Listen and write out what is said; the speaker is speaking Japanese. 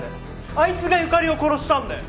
あいつがユカリを殺したんだよ！